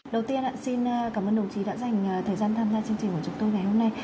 đầu tiên xin cảm ơn đồng chí đã dành thời gian tham gia chương trình của chúng tôi ngày hôm nay